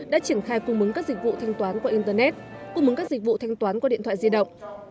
đã triển khai cung mứng các dịch vụ thanh toán qua internet cung mứng các dịch vụ thanh toán qua điện thoại di động